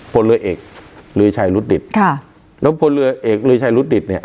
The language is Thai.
พลเรือเอกลือชัยรุดดิตค่ะแล้วพลเรือเอกลือชัยรุดดิตเนี่ย